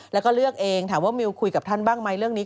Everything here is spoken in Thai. แล้วก็เลือกเองถามว่ามิวคุยกับท่านบ้างไหมเรื่องนี้